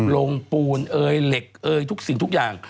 ปูนเอยเหล็กเอ่ยทุกสิ่งทุกอย่าง